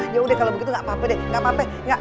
ya udah kalau begitu gak apa apa deh nggak apa apa